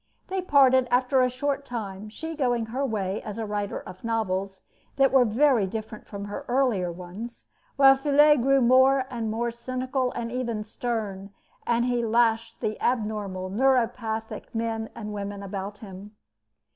They parted after a short time, she going her way as a writer of novels that were very different from her earlier ones, while Feuillet grew more and more cynical and even stern, as he lashed the abnormal, neuropathic men and women about him.